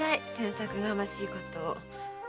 詮索がましいことを。